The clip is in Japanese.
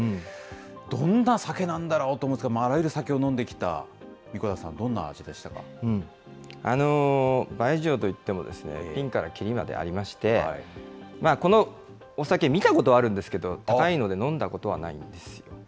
どんな酒なんだろうと思うんですが、あらゆる酒を飲んできた神子田さん、バイジウといってもですね、ピンからキリまでありまして、このお酒、見たことはあるんですけど、高いので飲んだことはないんですよ。